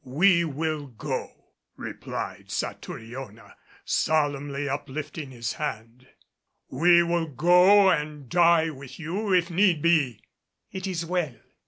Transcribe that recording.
"We will go," replied Satouriona, solemnly uplifting his hand, "we will go and die with you, if need be!" "It is well.